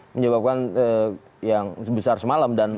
menyebabkan yang sebesar semalam